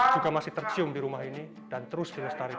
juga masih tercium di rumah ini dan terus dilestarikan